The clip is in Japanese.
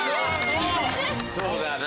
そうだね。